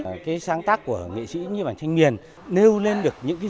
cái sáng tác của nghệ sĩ nhiếp ảnh thanh miền nêu lên được những kỹ thuật